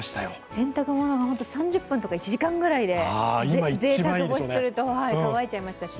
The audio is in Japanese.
洗濯物が３０分とか１時間ぐらいでぜいたく干しすると乾いちゃいましたし。